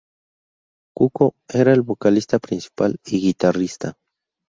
Cuco era el vocalista principal y guitarrista.